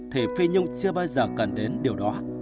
thầy phi nhung chưa bao giờ cần đến điều đó